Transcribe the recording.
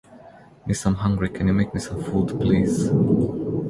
Miss, I'm hungry. Can you make me some food please?